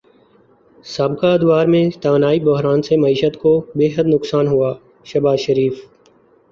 سابقہ ادوار میں توانائی بحران سے معیشت کو بیحد نقصان ہوا شہباز شریف